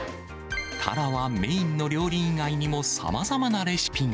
タラはメインの料理以外にも、さまざまなレシピが。